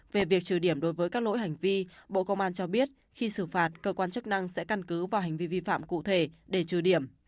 về việc trừ điểm đối với các lỗi hành vi bộ công an cho biết khi xử phạt cơ quan chức năng sẽ căn cứ vào hành vi vi phạm cụ thể để trừ điểm